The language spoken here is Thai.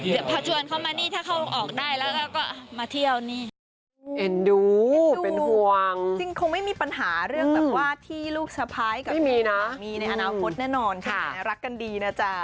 เดี๋ยวพอจวนเขามานี่ถ้าเขาออกได้แล้วก็มาเที่ยวนี่